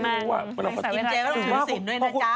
กินเจ๊ต้องถูกสินด้วยนะจ้ะ